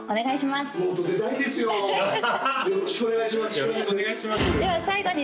よろしくお願いします